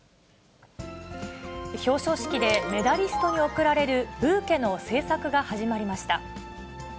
表彰式でメダリストに贈られるブーケの制作が始まりました。